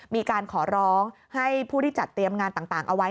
มีการขอร้องให้ผู้ที่จัดเตรียมงานต่างเอาไว้